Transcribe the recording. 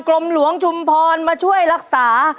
ลมหลวงชุมพรมาช่วยรักษา